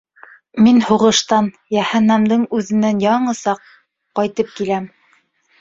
Мин һуғыштан... йәһәннәмдең үҙенән яңы саҡ... ҡайтып киләм.